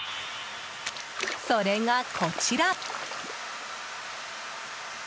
それが、こちら。